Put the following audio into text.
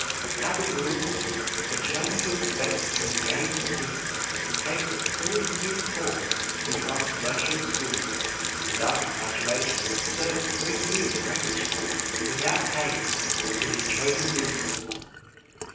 As a rule, a German who expects to engage in business takes a four years' course in some commercial school, and after graduation serves three years' apprenticeship without pay, to his chosen business.